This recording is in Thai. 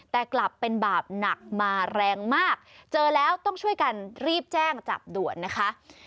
แต่กลับเป็นบาปหนักมาแรงมากเจอแล้วต้องช่วยกันรีบแจ้งจับด่วนนะคะ